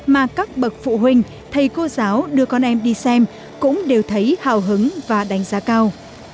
mà các bậc phụ huynh thầy cô giáo đưa con em đi xem cũng đều thấy hào hứng và đánh giá cao